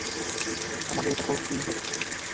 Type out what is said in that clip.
আমাদের এটা করতে হবে।